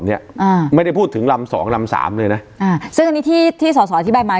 เนี้ยอ่าไม่ได้พูดถึงลำสองลำสามเลยนะอ่าซึ่งอันนี้ที่ที่สอสออธิบายมา